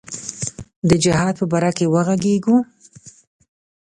د جهاد په باره کې وږغیږو.